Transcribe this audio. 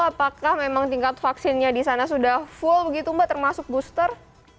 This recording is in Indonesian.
apakah memang tingkat vaksinnya di sana sudah full begitu mbak termasuk booster